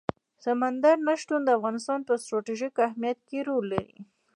سمندر نه شتون د افغانستان په ستراتیژیک اهمیت کې رول لري.